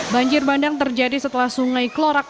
banjir bandang terjadi setelah sungai klorak